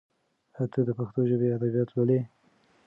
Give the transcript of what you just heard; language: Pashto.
ایا ته د پښتو ژبې ادبیات لولي؟